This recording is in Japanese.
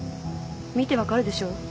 見て分かるでしょ？